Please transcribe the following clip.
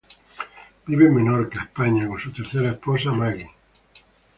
Vive en Menorca, España, con su tercera esposa, Maggie.